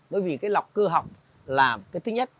bởi vì cái lọc cơ học là cái thứ nhất